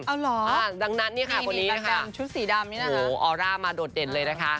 อ๋อเหรอนี่ประกันชุดสีดำนี่นะคะโอร่ระมาโดดเด่นเลยนะคะ